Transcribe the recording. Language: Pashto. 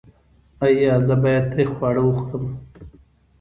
ایا زه باید تریخ خواړه وخورم؟